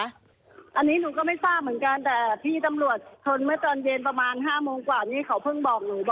อันนี้หนูก็ไม่ทราบเหมือนกันแต่พี่ตำรวจชนเมื่อตอนเย็นประมาณ๕โมงกว่านี่เขาเพิ่งบอกหนู